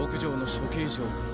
処刑場！？